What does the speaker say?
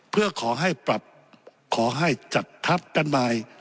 เพื่อขอให้ปรับขอให้จัดทัพกันใหม่